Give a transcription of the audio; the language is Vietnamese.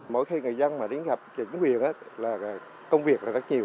mỗi khi người dân mà đến gặp chính quyền là công việc rất nhiều